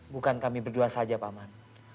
bukan kami berdua saja paman